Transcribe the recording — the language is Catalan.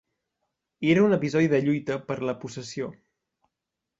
Era un episodi de lluita per la possessió